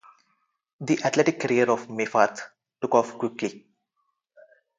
The athletic career of Meyfarth took off quickly.